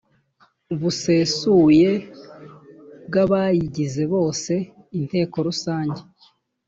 busesuye bw abayigize bose inteko rusange